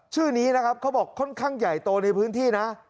ชื่อนี้นะครับเขาบอกค่อนข้างใหญ่โตในพื้นที่นะ